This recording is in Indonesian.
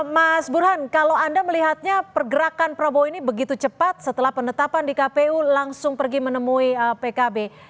mas burhan kalau anda melihatnya pergerakan prabowo ini begitu cepat setelah penetapan di kpu langsung pergi menemui pkb